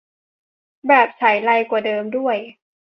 แบบไฉไลกว่าเดิมด้วย